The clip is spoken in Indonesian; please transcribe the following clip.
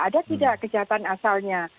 ada tidak kejahatan asalnya